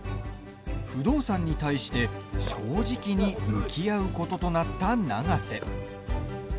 不動産に対して正直に向き合うこととなった永瀬。